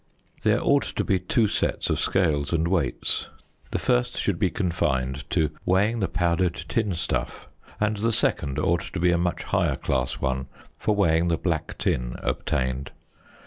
There ought to be two sets of scales and weights: the first should be confined to weighing the powdered tin stuff, and the second ought to be a much higher class one, for weighing the black tin obtained.